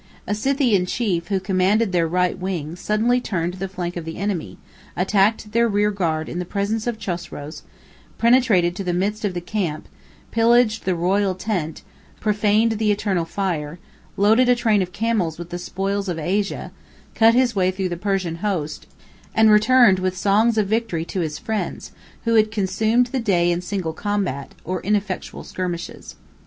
A Scythian chief, who commanded their right wing, suddenly turned the flank of the enemy, attacked their rear guard in the presence of Chosroes, penetrated to the midst of the camp, pillaged the royal tent, profaned the eternal fire, loaded a train of camels with the spoils of Asia, cut his way through the Persian host, and returned with songs of victory to his friends, who had consumed the day in single combats, or ineffectual skirmishes.